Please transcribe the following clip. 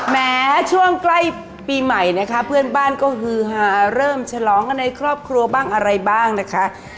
แม้ช่วงใกล้ปีใหม่นะคะเพื่อนบ้านก็ฮือหาเริ่มฉลองกันในครอบครัวบ้างอะไรบ้างนะคะ